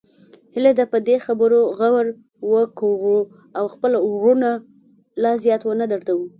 هیله ده په دې خبرو غور وکړو او خپل وروڼه لا زیات ونه دردوو